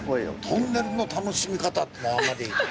トンネルの楽しみ方ってあんまり。